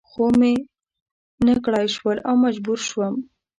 خو و مې نه کړای شول او مجبور شوم.